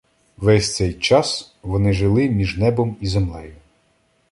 Весь цей час вони жили «між небом і землею»